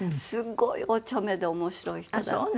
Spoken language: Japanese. すごいお茶目で面白い人だった。